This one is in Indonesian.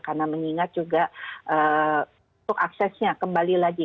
karena mengingat juga untuk aksesnya kembali lagi